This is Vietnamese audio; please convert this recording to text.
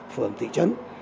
phường thị trấn